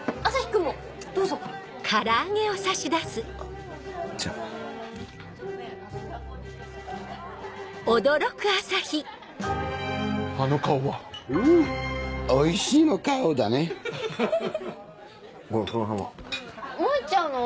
もう行っちゃうの？